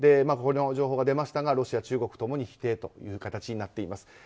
この情報が出ましたがロシア、中国共に否定という形になっています。